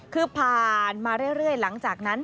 คือผ่านมาเรื่อยหลังจากนั้น